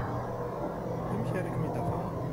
Amek ara kem-id-afeɣ?